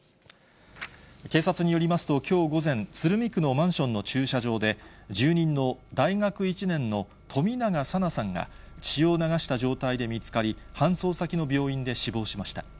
警察によりますと、きょう午前、鶴見区のマンションの駐車場で、住人の大学１年の冨永紗菜さんが、血を流した状態で見つかり、搬送先の病院で死亡しました。